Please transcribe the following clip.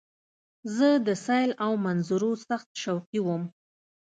زه د سیل او منظرو سخت شوقی وم.